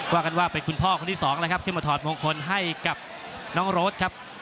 ว่ากันว่าเป็นคุณพ่อคนที่สองแล้วครับขึ้นมาถอดมงคลให้กับน้องโรดครับ